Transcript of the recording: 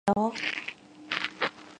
조심하세요!